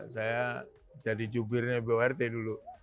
saya jadi jubirnya brt dulu